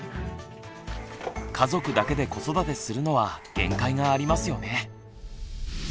家族だけで子育てするのは限界がありますよね。